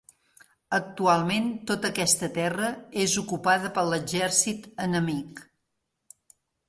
Actualment tota aquesta terra és ocupada per l'exèrcit enemic.